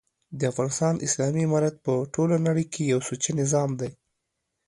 دافغانستان اسلامي امارت په ټوله نړۍ کي یو سوچه نظام دی